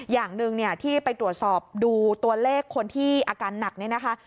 อย่างหนึ่งเนี่ยที่ไปตรวจสอบดูตัวเลขคนที่อาการหนักเนี่ยนะคะ